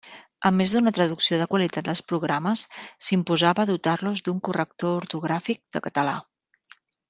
A més d'una traducció de qualitat dels programes, s'imposava dotar-los d'un corrector ortogràfic de català.